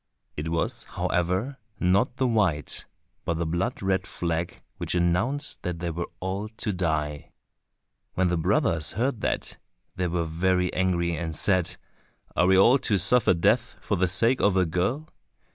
It was, however, not the white, but the blood red flag which announced that they were all to die. When the brothers heard that, they were very angry and said, "Are we all to suffer death for the sake of a girl?